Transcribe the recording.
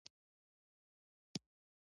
د هغو عزت کوه، چي ستا دعزت خیال ساتي.